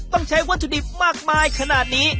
ต้องใช้วัตถุดิบมากมายขนาดนี้